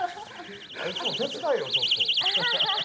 あいつも手伝えよ、ちょっと。